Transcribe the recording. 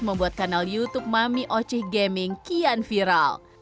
membuat kanal youtube ma mi oci gaming kian viral